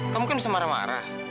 kamu mungkin bisa marah marah